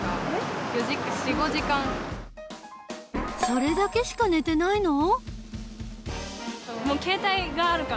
それだけしか寝てないの？